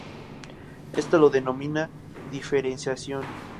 Esto lo denomina "diferenciación".